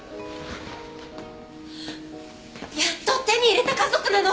やっと手に入れた家族なの！